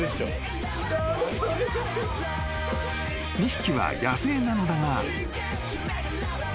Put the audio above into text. ［２匹は野生なのだが］